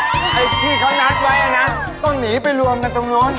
เดี๋ยวเดี๋ยวเดี๋ยวไอ้ที่เขานัดไว้นะต้องหนีไปรวมกันตรงโน้น